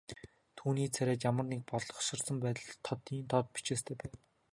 Түүний царайд ямар нэг бодлогоширсон байдал тодын тод бичээстэй байв.